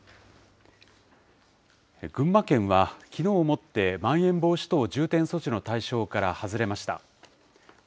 群馬県は、きのうをもってまん延防止等重点措置の対象から外れました。